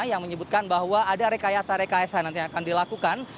yang menyebutkan bahwa ada rekayasa rekayasa nanti akan dilakukan